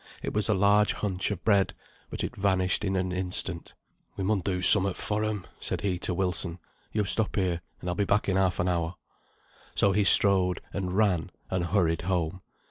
It was a large hunch of bread, but it vanished in an instant. "We mun do summut for 'em," said he to Wilson. "Yo stop here, and I'll be back in half an hour." So he strode, and ran, and hurried home.